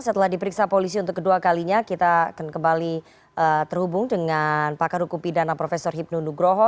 setelah diperiksa polisi untuk kedua kalinya kita akan kembali terhubung dengan pakar hukum pidana prof hipnu nugroho